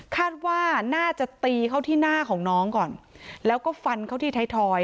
คาดว่าน่าจะตีเข้าที่หน้าของน้องก่อนแล้วก็ฟันเข้าที่ไทยทอย